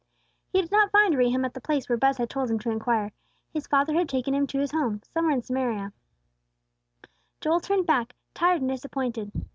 He did not find Rehum at the place where Buz had told him to inquire. His father had taken him to his home, somewhere in Samaria. Joel turned back, tired and disappointed.